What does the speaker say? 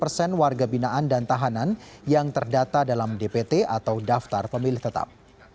dua puluh persen warga binaan dan tahanan yang terdata dalam dpt atau daftar pemilih tetap